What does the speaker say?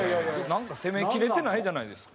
なんか攻めきれてないじゃないですか。